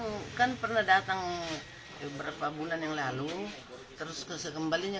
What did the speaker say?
makanya disuruh pindah dari situ sebenarnya